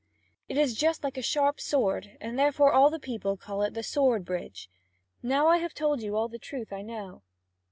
It is just like a sharp sword, and therefore all the people call it 'the sword bridge'. Now I have told you all the truth I know."